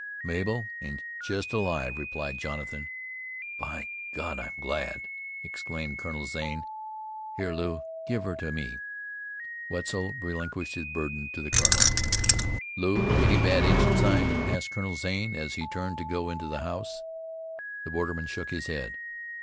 "Mabel, an' jest alive," replied Jonathan. "By God! I'm glad!" exclaimed Colonel Zane. "Here, Lew, give her to me." Wetzel relinquished his burden to the colonel. "Lew, any bad Indian sign?" asked Colonel Zane as he turned to go into the house. The borderman shook his head.